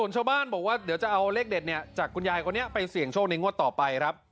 ชาวบ้านบอกว่าเดี๋ยวจะเอาเลขเด็ดเนี่ยจากคุณยายคนนี้ไปเสี่ยงโชคในงวดต่อไปครับ